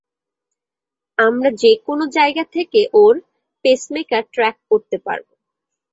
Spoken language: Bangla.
আমরা যেকোনো জায়গা থেকে ওর পেসমেকার ট্র্যাক করতে পারব।